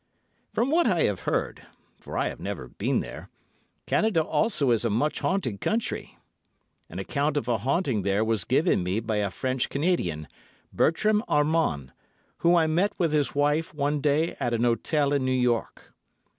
From what I have heard, for I have never been there, Canada also is a much haunted country. An account of a haunting there was given me by a French Canadian, Bertram Armand, whom I met with his wife one day at an hotel in New York.